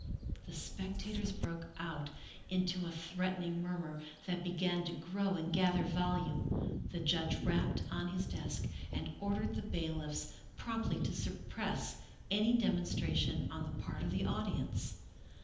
The spectators broke out into a threatening murmur that began to grow and gather volume. The judge rapped on his desk and ordered the bailiffs promptly to suppress any demonstration on the part of the audience.